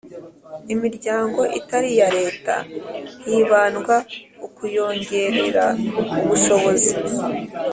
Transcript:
imiryango itari iya Leta hibandwa kukuyongerera ubushobozi